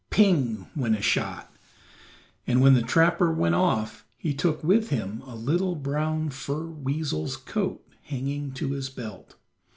"Ping!" went a shot, and when the trapper went off he took with him a little brown fur weasel's coat hanging to his belt.